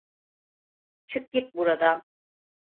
Çık git buradan!